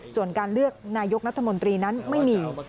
ส่วนการเลือกนายกรัฐมนตรีนั้นไม่มี